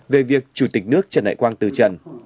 về việc chủ tịch nước trần đại quang từ trần